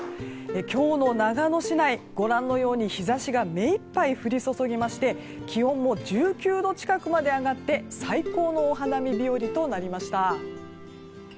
今日の長野市内ご覧のように日差しがめいっぱい降り注ぎまして気温も１９度近くまで上がって最高のお花見日和となりました。